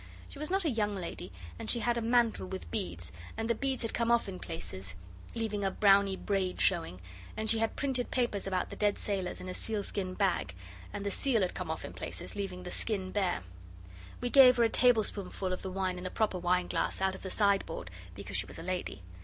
She was not a young lady, and she had a mantle with beads, and the beads had come off in places leaving a browny braid showing, and she had printed papers about the dead sailors in a sealskin bag, and the seal had come off in places, leaving the skin bare. We gave her a tablespoonful of the wine in a proper wine glass out of the sideboard, because she was a lady.